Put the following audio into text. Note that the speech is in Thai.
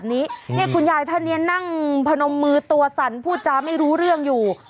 นี่คุณยายท่านนี้นั่งพนมมือตัวสั่นพูดจาไม่รู้เรื่องอยู่